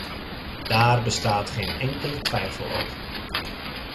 Daar bestaat geen enkele twijfel over.